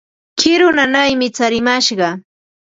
Kiru nanaymi tsarimashqan.